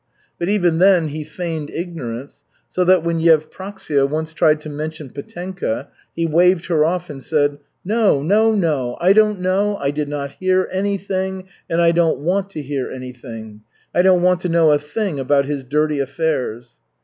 But even then he feigned ignorance, so that when Yevpraksia once tried to mention Petenka, he waved her off and said: "No, no, no! I don't know, I did not hear anything, and I don't want to hear anything. I don't want to know a thing about his dirty affairs."